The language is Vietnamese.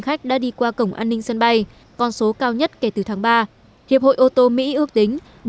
khách đã đi qua cổng an ninh sân bay con số cao nhất kể từ tháng ba hiệp hội ô tô mỹ ước tính